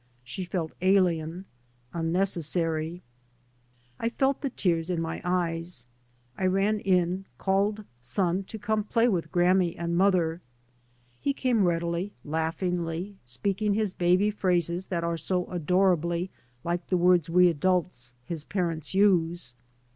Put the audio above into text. She felt alien, unnecessary. I felt the tears in my eyes. I ran in, called son to come to play with grammy and mother. He came readily, laughingly, speaking his baby phrases that are so adorably like the words we adults, his parents, use.